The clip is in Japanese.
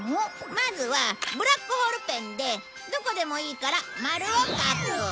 まずはブラックホールペンでどこでもいいから丸を描く。